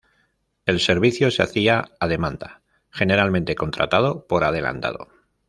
El servicio se hacía "a demanda", generalmente contratado por adelantado.